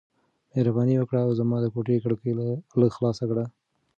مهرباني وکړه او زما د کوټې کړکۍ لږ خلاص کړه.